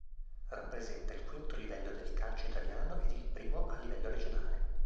Rappresenta il quinto livello del calcio italiano ed il primo a livello regionale.